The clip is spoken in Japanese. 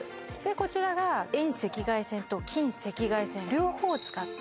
こちらが遠赤外線と近赤外線、両方を使って。